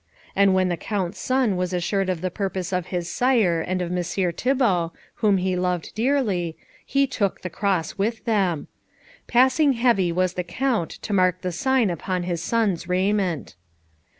And when the Count's son was assured of the purpose of his sire and of Messire Thibault, whom he loved dearly, he took the Cross with them. Passing heavy was the Count to mark the Sign upon his son's raiment.